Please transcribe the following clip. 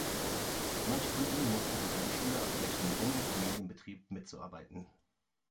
Manche von ihnen mussten sogar die Schule abbrechen, um im Familienbetrieb mitzuarbeiten.